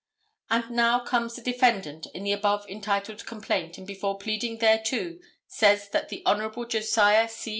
"And now comes the defendant in the above entitled complaint and before pleading thereto says that the Hon. Josiah C.